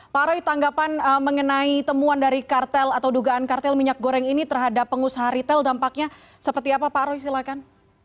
pak roy tanggapan mengenai temuan dari kartel atau dugaan kartel minyak goreng ini terhadap pengusaha retail dampaknya seperti apa pak roy silakan